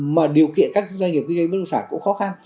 mà điều kiện các doanh nghiệp kinh doanh bất động sản cũng khó khăn